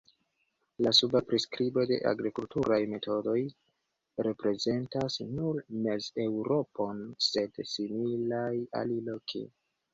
La suba priskribo de agrikulturaj metodoj reprezentas nur Mez-Eŭropon, sed similaj aliloke.